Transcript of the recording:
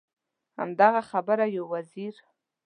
همدغه خبره یو وزیر.